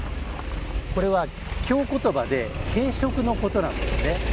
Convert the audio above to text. これは京言葉で軽食のことなんですね。